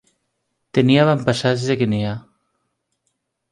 Tenia avantpassats de Guinea.